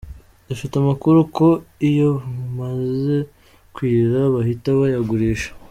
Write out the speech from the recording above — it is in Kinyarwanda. Dufite amakuru ko iyo bumaze kwira bahita bayagurisha.